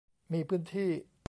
มีพื้นที่